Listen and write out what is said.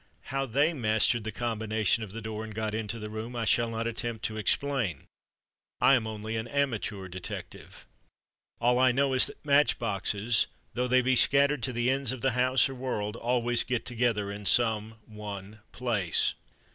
How they mastered the combination of the door and got into the room, I shall not attempt to explain. I am only an amateur Detective. All I know is that Match boxes, though they be scattered to the ends of the house (or World), always get together in some one place.